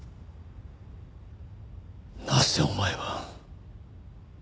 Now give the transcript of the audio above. なぜお前は。